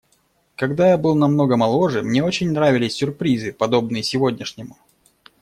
Когда я был намного моложе, мне очень нравились сюрпризы, подобные сегодняшнему.